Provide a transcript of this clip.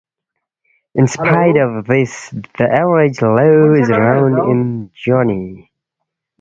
In spite of this the average low is around in January.